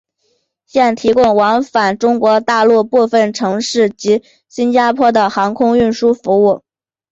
现提供往返中国大陆部分城市及新加坡的航空客运服务。